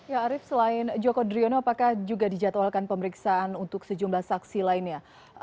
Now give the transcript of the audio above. ya arief selain joko driono apakah juga dijadwalkan pemeriksaan untuk sejumlah saksi lainnya